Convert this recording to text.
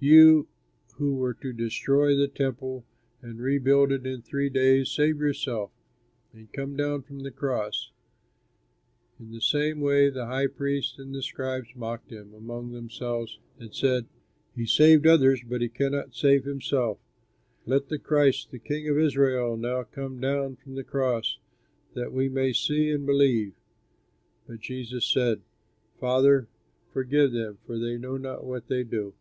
you who were to destroy the Temple and rebuild it in three days, save yourself and come down from the cross!" In the same way the high priests and the scribes mocked him among themselves and said, "He saved others, but he cannot save himself. Let the Christ, the 'King of Israel,' now come down from the cross, that we may see and believe!" But Jesus said, "Father, forgive them, for they know not what they do."